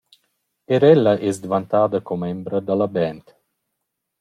Eir ella es dvantada commembra da la band.